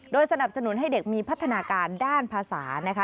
สนับสนุนให้เด็กมีพัฒนาการด้านภาษานะคะ